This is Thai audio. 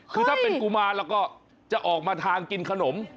คือถ้าเป็นกุมารเราก็จะออกมาทางกินขนม